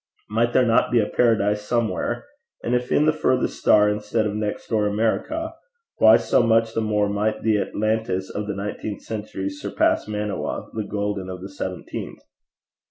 Might there not be a paradise somewhere? and if in the furthest star instead of next door America, why, so much the more might the Atlantis of the nineteenth century surpass Manoa the golden of the seventeenth!